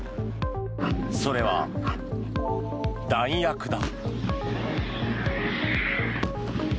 それは、弾薬だ。